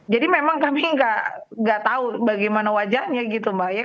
jadi memang kami tidak tahu bagaimana wajahnya